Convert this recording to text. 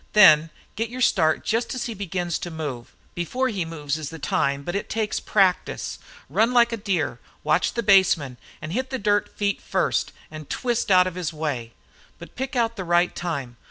Then get your start jest as he begins to move. Before he moves is the time, but it takes practice. Run like a deer, watch the baseman, an' hit the dirt feet first an' twist out of his way. But pick out the right time.